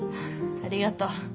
ありがとう。